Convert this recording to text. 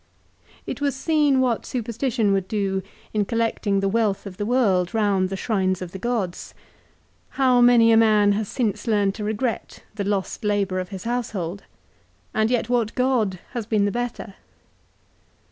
It was seen what superstition would do in collecting the wealth of the world round the shrines of the gods. How many a man has since learned to regret the lost labour of his household ; and yet what god has been the better